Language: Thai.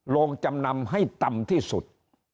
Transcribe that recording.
ลงจำนำให้ต่ำที่สุด